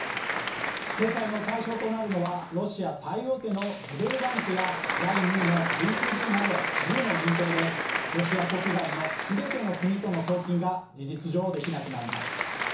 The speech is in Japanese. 制裁の対象となるのはロシア最大手のズベルバンクや第２位のＶＴＢなど１０の銀行でロシア国外の全ての国との送金が事実上できなくなります。